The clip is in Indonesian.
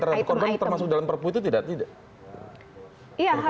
perhatian terhadap korban termasuk dalam perpu itu tidak